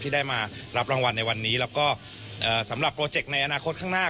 ที่ได้มารับรางวัลในวันนี้แล้วก็สำหรับโปรเจกต์ในอนาคตข้างหน้า